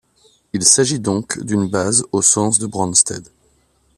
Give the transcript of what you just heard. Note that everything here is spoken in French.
Il s'agit donc d'une base au sens de Brønsted.